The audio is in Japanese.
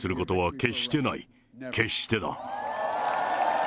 決してだ。